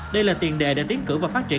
đây là tiền đề để tiến cử và phát triển